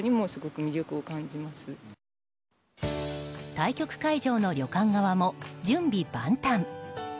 対局会場の旅館側も、準備万端。